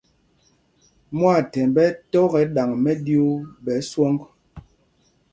Mwâthɛmb ɛ́ ɛ́ tɔ kɛ ɗaŋ mɛɗyuu ɓɛ swɔŋ.